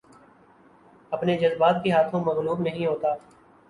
اپنے جذبات کے ہاتھوں مغلوب نہیں ہوتا